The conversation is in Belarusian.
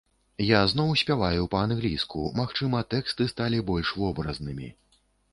Я зноў спяваю па-англійску, магчыма, тэксты сталі больш вобразнымі.